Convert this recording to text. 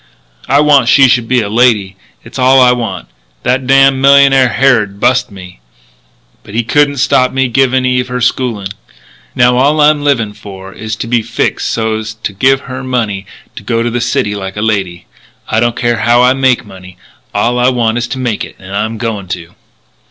I want she should be a lady. It's all I want. That damned millionaire Harrod bust me. But he couldn't stop me giving Eve her schooling. And now all I'm livin' for is to be fixed so's to give her money to go to the city like a lady. I don't care how I make money; all I want is to make it. And I'm a going to."